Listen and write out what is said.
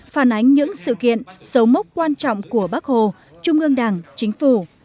phản ánh những sự kiện sấu mốc quan trọng của bắc hồ trung ương đảng chính phủ